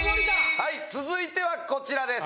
はい続いてはこちらです。